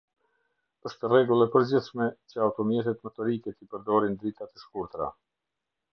Është rregull e përgjithshme që automjetet motorike t'i përdorin dritat e shkurtra.